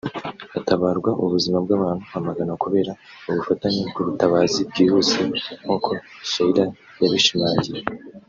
hatabarwa ubuzima bw’abantu amagana kubera ubufatanye bw’ubutabazi bwihuse nk’uko Shearer yabishimangiye